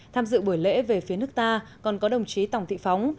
tham dự buổi lễ về phía nước ta còn có đồng chí tổng thị phóng